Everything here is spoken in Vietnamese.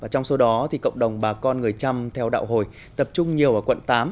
trong số đó cộng đồng bà con người chăm theo đạo hồi tập trung nhiều ở quận tám